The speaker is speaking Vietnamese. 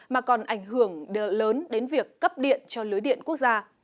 mà còn ảnh hưởng lớn đến việc cấp điện cho lưới điện quốc gia